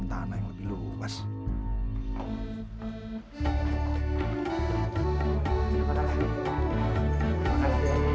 masih lanjut vnd masa